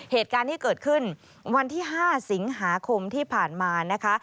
เหตุการณ์ที่เกิดขึ้นวันที่๕สิงหาคมที่ผ่านมานะคะ